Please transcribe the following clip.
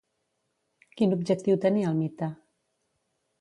Quin objectiu tenia el mite?